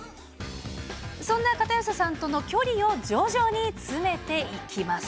そんな片寄さんとの距離を徐々に詰めていきます。